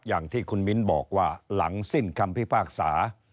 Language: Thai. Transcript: อย่างที่คุณมิ้นบอกว่าหลังสิ้นคำพิพากษา